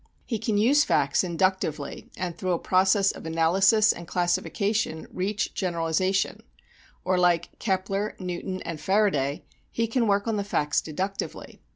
He can use facts inductively and through a process of analysis and classification reach generalization; or like Kepler, Newton and Faraday he can work on the facts deductively.